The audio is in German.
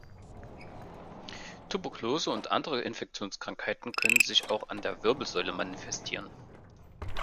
Tuberkulose und andere Infektionskrankheiten können sich auch an der Wirbelsäule manifestieren.